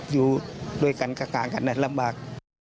อยู่ด้วยค่างกันลำบาก